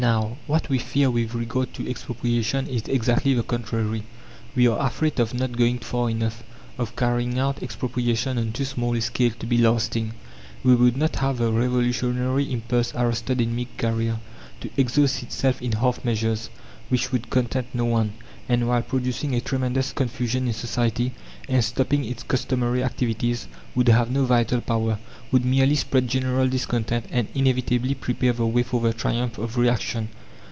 Now, what we fear with regard to Expropriation is exactly the contrary. We are afraid of not going far enough, of carrying out Expropriation on too small a scale to be lasting. We would not have the revolutionary impulse arrested in mid career, to exhaust itself in half measures, which would content no one, and while producing a tremendous confusion in society, and stopping its customary activities, would have no vital power would merely spread general discontent and inevitably prepare the way for the triumph of reaction.